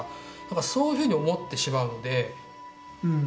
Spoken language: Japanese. そういうふうに思ってしまうので。